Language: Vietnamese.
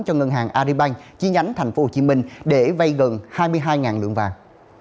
cho ngân hàng arribank chi nhánh tp hcm để vây gần hai mươi hai lượng vàng